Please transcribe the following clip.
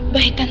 bahi tanta andi